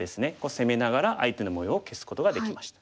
攻めながら相手の模様を消すことができました。